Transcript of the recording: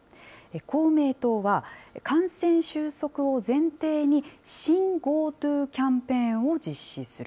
公明党は感染収束を前提に、新ＧｏＴｏキャンペーンを実施する。